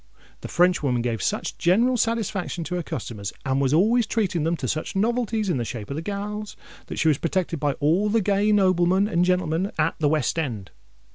The Frenchwoman gave such general satisfaction to her customers, and was always treating them to such novelties in the shape of gals, that she was protected by all the gay noblemen and gentlemen at the West End.